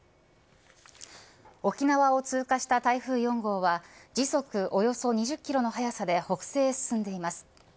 沖縄を通過した台風４号は時速およそ２０キロの速さで北西へ進んでいます。